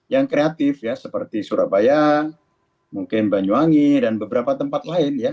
yang kreatif ya seperti surabaya mungkin banyuwangi dan beberapa tempat lain ya